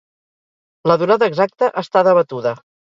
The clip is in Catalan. La durada exacta està debatuda.